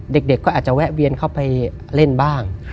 เด็กก็อาจจะแวะเวียนเข้าไปเล่นบ้าง